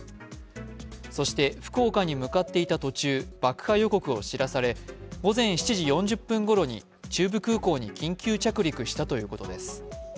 そして福岡に向かっていた途中、爆破予告を知らされ、午前７時４０分ごろに中部空港に緊急着陸したということです。